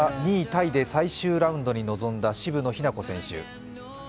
タイで最終ラウンドに臨んだ渋野日向子選手。